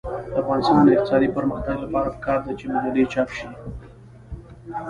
د افغانستان د اقتصادي پرمختګ لپاره پکار ده چې مجلې چاپ شي.